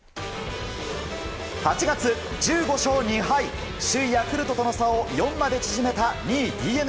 ８月、１５勝２敗首位ヤクルトとの差を４まで縮めた２位、ＤｅＮＡ。